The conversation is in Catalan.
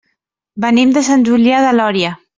Venim de Sant Julià de Lòria.